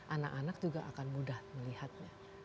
anak anak juga akan mudah melihatnya